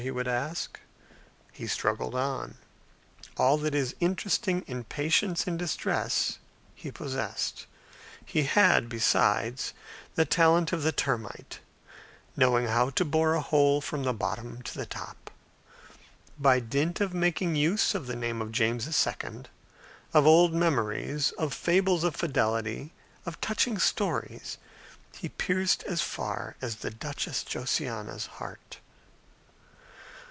he would ask. He struggled on. All that is interesting in patience in distress he possessed. He had, besides, the talent of the termite knowing how to bore a hole from the bottom to the top. By dint of making use of the name of James II., of old memories, of fables of fidelity, of touching stories, he pierced as far as the Duchess Josiana's heart.